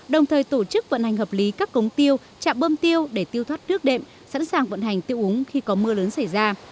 đồng thời tổ chức vận hành hợp lý các cống tiêu chạm bơm tiêu để tiêu thoát nước đệm sẵn sàng vận hành tiêu úng khi có mưa lớn xảy ra